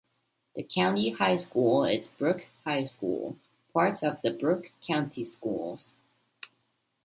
The county high school is Brooke High School, part of Brooke County Schools.